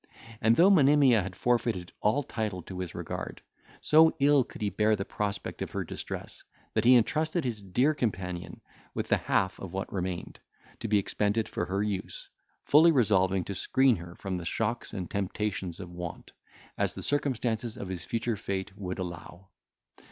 And though Monimia had forfeited all title to his regard, so ill could he bear the prospect of her distress, that he entrusted his dear companion with the half of what remained, to be expended for her use, fully resolving to screen her from the shocks and temptations of want, as the circumstances of his future fate would allow.